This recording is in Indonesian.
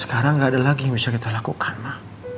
sekarang gak ada lagi yang bisa kita lakukan ma